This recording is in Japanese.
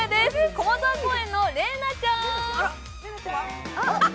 駒沢公園の麗菜ちゃん。